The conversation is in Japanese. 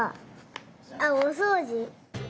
あっおそうじ。